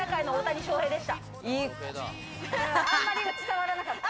あんまり伝わらなかった。